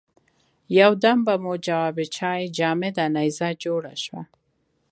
یو دم به مو جواب چای جامده نيزه جوړه شوه.